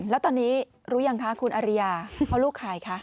แล้วตอนนี้รู้ยังคะคุณอริยาเพราะลูกใครคะ